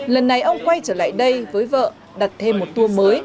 lần này ông quay trở lại đây với vợ đặt thêm một tour mới